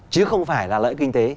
chứ không phải là lợi kinh tế